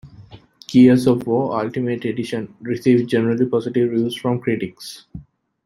"Gears of War: Ultimate Edition" received generally positive reviews from critics.